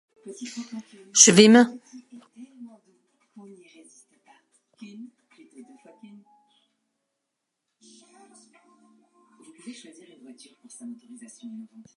Seville.